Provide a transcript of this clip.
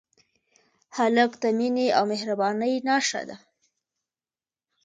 هلک د مینې او مهربانۍ نښه ده.